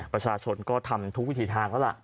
ประชาชนก็ทำทุกวิถีทางแล้วล่ะ